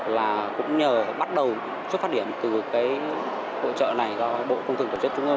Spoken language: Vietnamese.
là cũng nhờ bắt đầu xuất phát điểm từ cái hội trợ này do bộ công thực tổ chức trung quốc